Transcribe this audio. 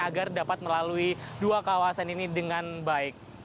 agar dapat melalui dua kawasan ini dengan baik